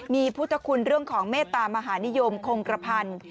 มีพุทธคุณเรื่องของเมตตามหานิยมคงกระพันธ์